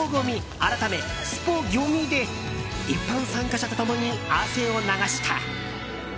改めスポギョミ！で一般参加者と共に汗を流した。